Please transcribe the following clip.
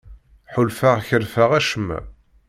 Ḥulfaɣ kerfeɣ acemma.